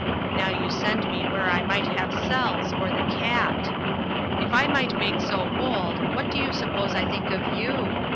Now you send me where I might have cells or the Cat. If I might make so bold, what do you suppose I think of you?